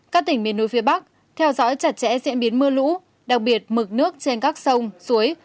các tỉnh miền núi phía bắc theo dõi chặt chẽ diễn biến mưa lũ đặc biệt mực nước trên các sông suối